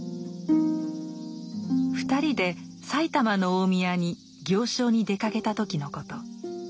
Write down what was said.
２人で埼玉の大宮に行商に出かけた時のこと。